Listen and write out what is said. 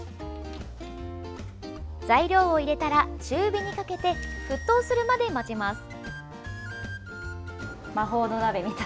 材料を入れたら中火にかけて沸騰するまで待ちます。